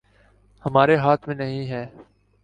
ہمارے ہاتھ میں نہیں ہے